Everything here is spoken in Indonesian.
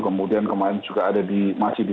kemudian kemarin juga ada di masih di